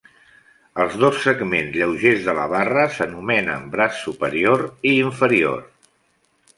Els dos segments lleugers de la barra s'anomenen braç superior i inferior.